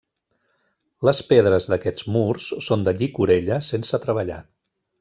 Les pedres d'aquests murs són de llicorella sense treballar.